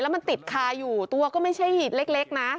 มันติดคาอยู่ตัวก็ไม่ใช่เล็กนะ